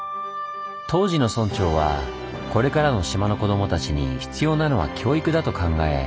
当時の村長はこれからの島の子どもたちに必要なのは教育だと考え